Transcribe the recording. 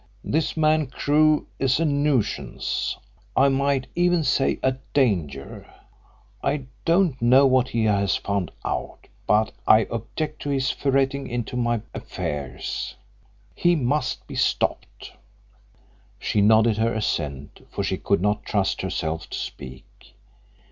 "This man Crewe is a nuisance I might even say a danger. I don't know what he has found out, but I object to his ferreting into my affairs. He must be stopped." She nodded her assent, for she could not trust herself to speak.